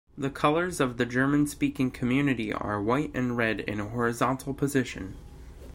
The colours of the German-speaking Community are white and red in a horizontal position.